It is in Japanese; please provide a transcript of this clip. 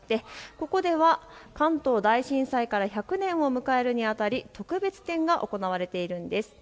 ここでは関東大震災から１００年を迎えるにあたり特別展が行われているんです。